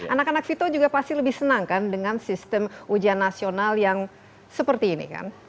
anak anak vito juga pasti lebih senang kan dengan sistem ujian nasional yang seperti ini kan